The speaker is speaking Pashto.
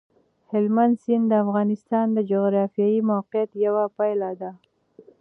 هلمند سیند د افغانستان د جغرافیایي موقیعت یوه پایله ده.